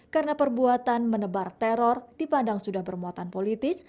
karena perbuatan menebar teror dipandang sudah bermuatan politis